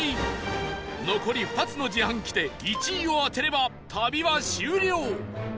残り２つの自販機で１位を当てれば旅は終了